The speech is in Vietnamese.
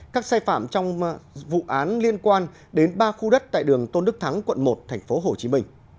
các sai phạm trong vụ án liên quan đến ba khu đất tại đường tôn đức thắng quận một tp hcm